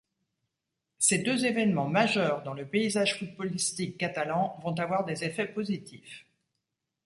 Ces deux évènements majeurs dans le paysage footballistique catalan vont avoir des effets positifs.